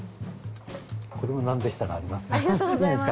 これもなんでしたらあります。